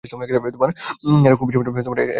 এরা খুব বেশিমাত্রায় একাকী চলাফেরা করে।